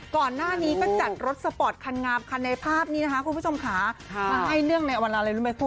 ก่อนหน้านี้ก็จัดรถสปอร์ตคันงามคันนี้นะครับคุณผู้ชมค่ะให้เนื่องในวันอะไรรู้หรือเปล่าคุณ